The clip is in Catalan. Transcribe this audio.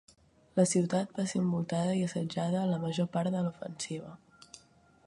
La ciutat va ser envoltada i assetjada la major part de l'ofensiva.